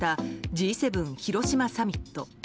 Ｇ７広島サミット。